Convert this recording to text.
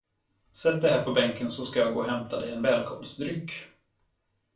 Sätt dig här på bänken så ska jag gå och hämta dig en välkomstdryck!